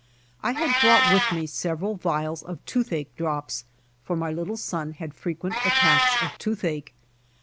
I had brought with me several vials of toothache drops, for my little son had frequent attacks of toothache.